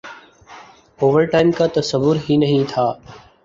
Overtime کا تصور ہی نہیں تھا ۔